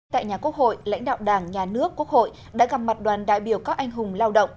tại nhà quốc hội lãnh đạo đảng nhà nước quốc hội đã gặp mặt đoàn đại biểu các anh hùng lao động